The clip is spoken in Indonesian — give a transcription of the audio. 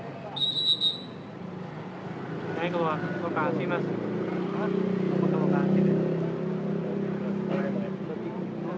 menteri kesehatan budi juga menegaskan penanganan harus diprioritaskan kepada korban gempa yang dalam keadaan sakit